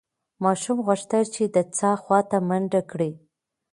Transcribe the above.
ماشوم غوښتل چې د څاه خواته منډه کړي.